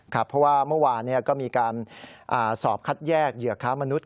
ครับเพราะว่าเมื่อวานก็มีการสอบคัดแยกเหยื่อค้ามนุษย